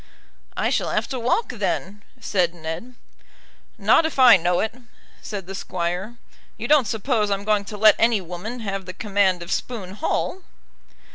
"I shall have to walk, then," said Ned. "Not if I know it," said the Squire. "You don't suppose I'm going to let any woman have the command of Spoon Hall?"